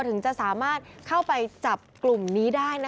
ถึงจะสามารถเข้าไปจับกลุ่มนี้ได้